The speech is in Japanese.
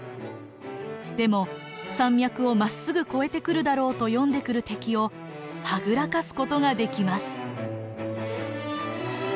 でも山脈をまっすぐ越えてくるだろうと読んでくる敵をはぐらかすことができます。